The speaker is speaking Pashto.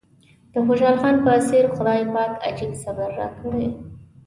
د خوشحال خان په څېر خدای پاک عجيب صبر راکړی.